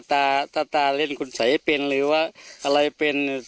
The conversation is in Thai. ถ้าตาถ้าตาเล่นคุณใสให้เป็นหรือว่าอะไรเป็น